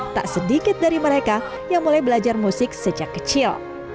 tak sedikit dari mereka yang mulai belajar musik sejak kecil